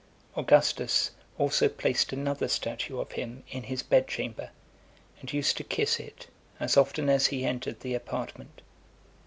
Augustus also placed another statue of him in his bed chamber, and used to kiss it as often as he entered the apartment.